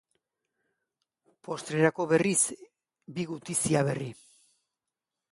Postrerako berriz, bi gutizia berri.